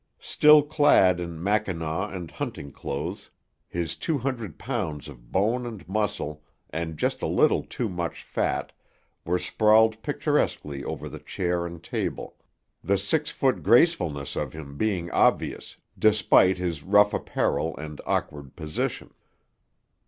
Still clad in mackinaw and hunting clothes, his two hundred pounds of bone and muscle and just a little too much fat were sprawled picturesquely over the chair and table, the six foot gracefulness of him being obvious despite his rough apparel and awkward position.